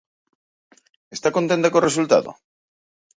Está contenta co resultado?